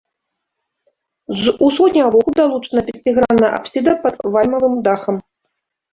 З усходняга боку далучана пяцігранная апсіда пад вальмавым дахам.